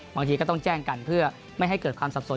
บางทีก็ต้องแจ้งกันเพื่อไม่ให้เกิดความสับสน